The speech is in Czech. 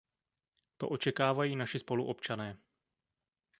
To očekávají naši spoluobčané.